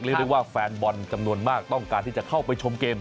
เรียกได้ว่าแฟนบอลจำนวนมากต้องการที่จะเข้าไปชมเกม